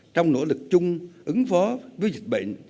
trong nỗ lực chung ứng phó với dịch bệnh